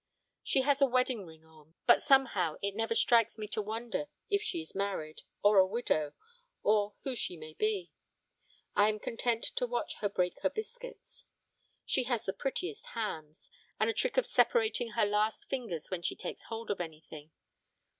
She has a wedding ring on, but somehow it never strikes me to wonder if she is married or a widow or who she may be. I am content to watch her break her biscuits. She has the prettiest hands, and a trick of separating her last fingers when she takes hold of anything.